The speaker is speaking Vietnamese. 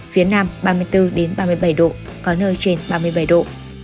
phía nam ba mươi bốn ba mươi bảy độ có nơi trên ba mươi bảy độ